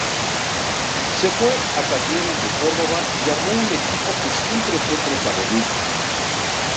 Se fue a Talleres de Córdoba y armó un equipo que siempre fue protagonista.